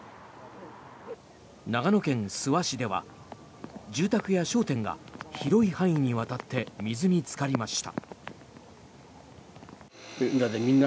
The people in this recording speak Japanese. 長野県諏訪市では住宅や商店が広い範囲にわたって水につかりました。